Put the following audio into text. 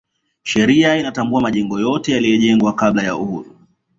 sheria inayatambua majengo yote yaliyojengwa kabla ya uhuru